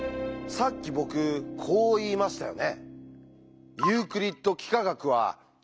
さっき僕こう言いましたよね。